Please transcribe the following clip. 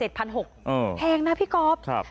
รวมเป็น๗๖๐๐บาทแพงนะพี่กอล์ฟครับ